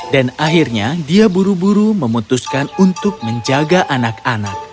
dan akhirnya dia buru buru memutuskan untuk menjaga anak anak